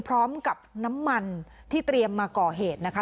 พร้อมกับน้ำมันที่เตรียมมาก่อเหตุนะคะ